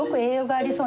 あっそう。